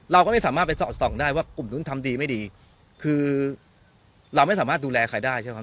เราก็ไม่สามารถไปสอดส่องได้ว่ากลุ่มนู้นทำดีไม่ดีคือเราไม่สามารถดูแลใครได้ใช่ไหม